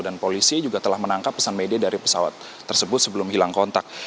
dan polisi juga telah menangkap pesan media dari pesawat tersebut sebelum hilang kontak